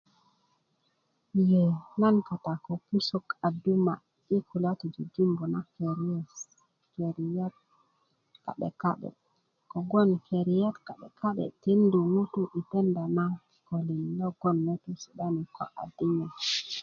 ye nan kata ko pusok a duma i kulya ti jujubu na keriyat ka'de ka'de kobgon keriyat ka'de ka'de a tindu ŋutu i denda na kikölin logonŋutu si'dani ko a dinyo